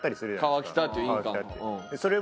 「川北」っていう印鑑を。